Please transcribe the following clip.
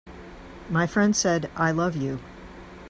My friend said: "I love you.